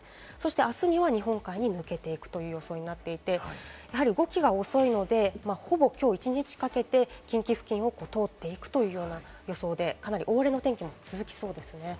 あすには日本海に抜けていくという予想になっていて、動きが遅いので、ほぼきょう１日かけて近畿付近を通っていくというような予想で、かなり大荒れの天気も続きそうですね。